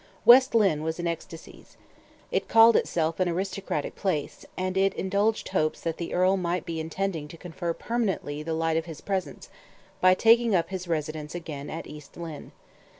West Lynne was in ecstacies. It called itself an aristocratic place, and it indulged hopes that the earl might be intending to confer permanently the light of his presence, by taking up his residence again at East Lynne.